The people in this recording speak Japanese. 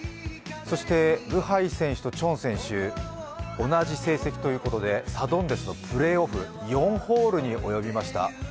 そして、ブハイ選手とチョン選手同じ成績ということでサドンデスのプレーオフ４ホールに及びました。